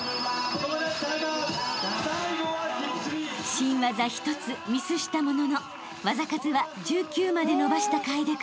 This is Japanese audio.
［新技１つミスしたものの技数は１９まで伸ばした楓君］